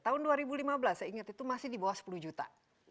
tahun dua ribu lima belas saya ingat itu masih di bawah sepuluh juta